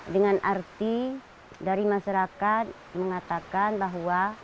dengan arti dari masyarakat mengatakan bahwa